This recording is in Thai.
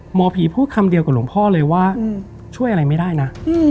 หมอผีพูดคำเดียวกับหลวงพ่อเลยว่าช่วยอะไรไม่ได้นะ